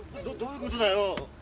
どういうことだよ？